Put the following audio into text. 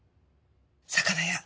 魚屋。